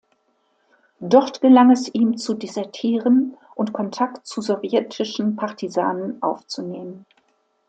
Dort gelang es ihm zu desertieren und Kontakt zu sowjetischen Partisanen aufzunehmen.